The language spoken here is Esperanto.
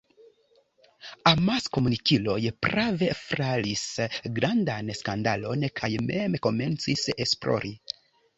Amaskomunikiloj prave flaris grandan skandalon kaj mem komencis esplori.